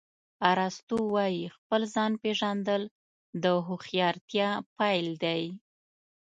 ارسطو وایي خپل ځان پېژندل د هوښیارتیا پیل دی.